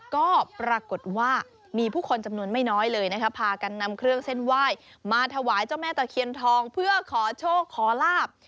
ก็ปรากฏว่ามีผู้คนนนั้นไม่น้อยเลยพากันนำเครื่องเส้นว่ายมาถไหว้เจ้าแม่ตะเขียนทองเพื่อขอโชคขอราบ